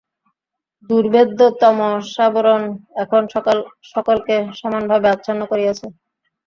দুর্ভেদ্য তমসাবরণ এখন সকলকে সমানভাবে আচ্ছন্ন করিয়াছে।